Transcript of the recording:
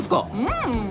うん！